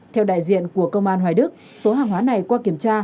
theo đại diện của công an hoài đức số hàng hóa này qua kiểm tra